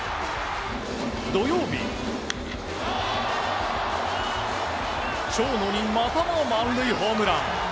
土曜日、長野にまたも満塁ホームラン。